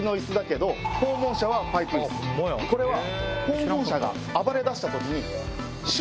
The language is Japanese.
これは。